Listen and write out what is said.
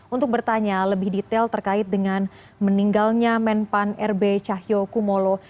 untuk bertanya lebih detail terkait dengan meninggalnya menpan r b cahyokumolo